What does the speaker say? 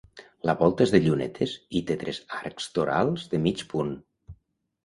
La volta és de llunetes i té tres arcs torals de mig punt.